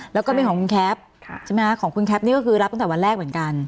แล้วก็เป็นของคุณแคปใช่ไหมของคุณแคปนี่ก็คือรับตั้งแต่วันแรกเหมือนกัน